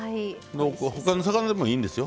他の魚でもいいんですよ。